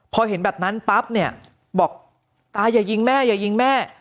พอเห็นแบบนั้นปั๊บเนี่ยบอกตาอย่ายิงแม่อย่ายิงแม่